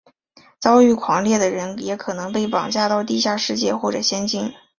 遭遇狂猎的人也可能被绑架到地下世界或者仙境。